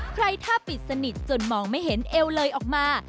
ใครท่าปิดสนิทจนมองไม่เห็นเอวเลยออกมา